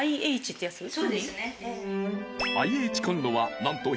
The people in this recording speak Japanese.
そうですね。